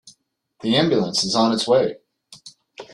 The ambulance is on its way.